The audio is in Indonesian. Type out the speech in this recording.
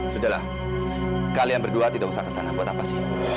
sudahlah kalian berdua tidak usah kesana buat apa sih